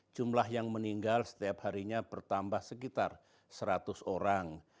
jumlah yang meninggal setiap harinya bertambah sekitar seratus orang